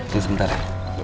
tunggu sebentar ya